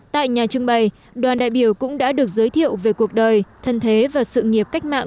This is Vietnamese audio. tại nhà trưng bày đoàn đại biểu cũng đã được giới thiệu về cuộc đời thân thế và sự nghiệp cách mạng